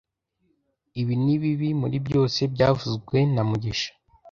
Ibi nibibi muri byose byavuzwe na mugisha